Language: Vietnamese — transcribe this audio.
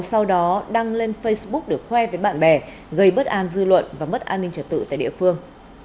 sau đó đăng lên facebook để khoe với bạn bè gây bất an dư luận và mất an ninh trật tự tại địa phương